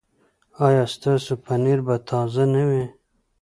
ایا ستاسو پنیر به تازه نه وي؟